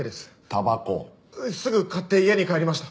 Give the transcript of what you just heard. すぐ買って家に帰りました。